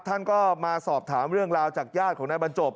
ท่านก็มาสอบถามเรื่องราวจากญาติของนายบรรจบ